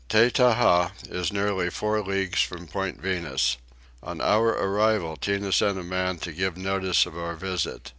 Tettaha is nearly four leagues from Point Venus. On our arrival Tinah sent a man to give notice of our visit.